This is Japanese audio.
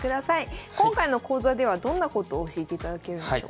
今回の講座ではどんなことを教えていただけるんでしょうか？